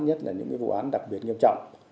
nhất là những vụ án đặc biệt nghiêm trọng